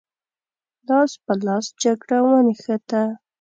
لاس په لاس جګړه ونښته.